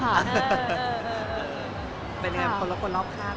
เป็นยังไงคนละคนรอบข้าง